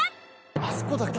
あそこだけ？